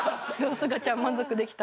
すがちゃん満足できた？